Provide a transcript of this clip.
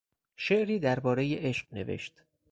شعری دربارهی عشق نوشت.